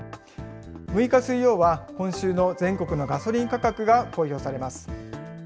６日水曜は、今週の全国のガソリン価格が公表されます。